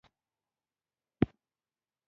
سید جیلاني جلان هم په دې سبک کې شاعري کړې ده